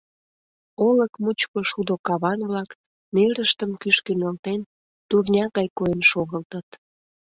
Олык мучко шудо каван-влак, нерыштым кӱшкӧ нӧлтен, турня гай койын шогылтыт.